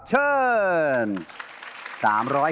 เชิญ